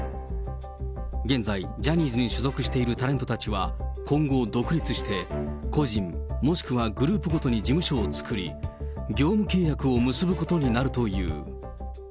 現在、ジャニーズに所属しているタレントたちは、今後独立して、個人、もしくはグループごとに事務所を作り、業務契約を結ぶことになるという。